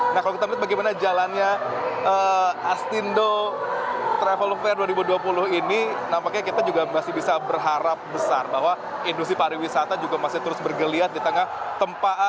nah kalau kita melihat bagaimana jalannya astindo travel fair dua ribu dua puluh ini nampaknya kita juga masih bisa berharap besar bahwa industri pariwisata juga masih terus bergeliat di tengah tempat